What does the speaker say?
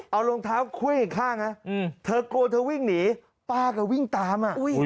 เอารองเท้าคุยอีกข้างนะเธอกลัวเธอวิ่งหนีป้าก็วิ่งตาม